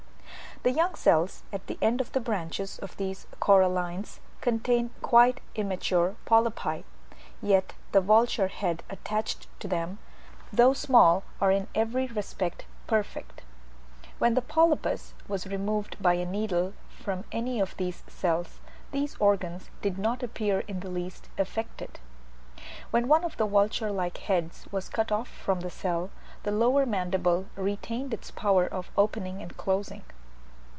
The young cells at the end of the branches of these corallines contain quite immature polypi, yet the vulture head attached to them, though small, are in every respect perfect When the polypus was removed by a needle from any of the cells, these organs did not appear in the least affected. When one of the vulture like heads was cut off from the cell, the lower mandible retained its power of opening and closing.